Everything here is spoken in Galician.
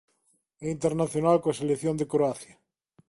É internacional coa selección de Croacia.